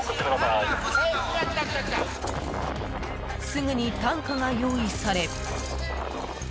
すぐに担架が用意され。